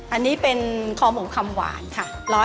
อันนี้เป็นคอหมงคำหวานค่ะ